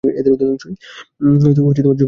এদের অধিকাংশই যুবক শ্রেণীর।